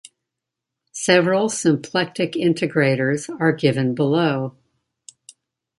Several symplectic integrators are given below.